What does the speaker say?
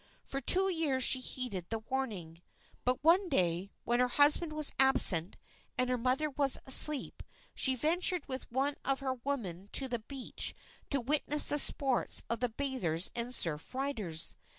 For two years she heeded the warning; but one day, when her husband was absent and her mother was asleep, she ventured with one of her women to the beach to witness the sports of the bathers and surf riders.